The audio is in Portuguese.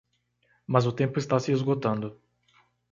Mas o tempo está se esgotando